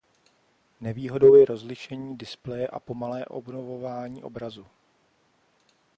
Nevýhodou je rozlišení displeje a pomalé obnovování obrazu.